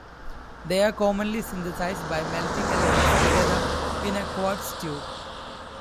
They are commonly synthesized by melting elements together in a quartz tube.